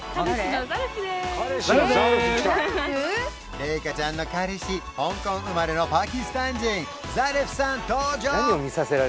レイカちゃんの彼氏香港生まれのパキスタン人ザレフさん登場！